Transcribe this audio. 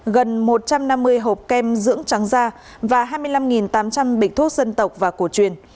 gần một trăm năm mươi hộp kem dưỡng trắng da và hai mươi năm tám trăm linh bịch thuốc dân tộc và cổ truyền